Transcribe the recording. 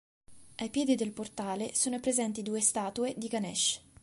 Ai piedi del portale sono presenti due statue di Ganesh.